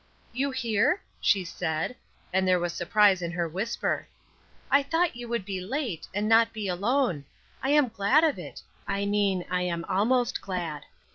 "You here?" she said, and there was surprise in her whisper. "Thought you would be late, and not be alone. I am glad of it I mean I am almost glad.